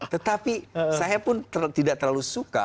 tetapi saya pun tidak terlalu suka